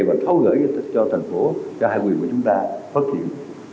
mà thấu gỡ cho thành phố cho hạ quyền của chúng ta phát triển